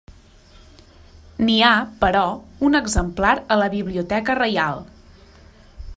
N'hi ha, però, un exemplar a la Biblioteca Reial.